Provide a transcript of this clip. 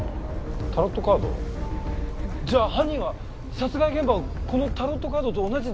タロットカード？じゃあ犯人は殺害現場をこのタロットカードと同じ図柄にしたって事？